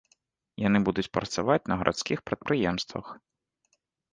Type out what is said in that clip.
Яны будуць працаваць на гарадскіх прадпрыемствах.